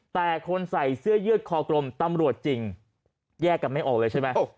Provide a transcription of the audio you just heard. แต่คนใส่เสื้อยืดคอกลมตำรวจจริงแยกกันไม่ออกเลยใช่ไหม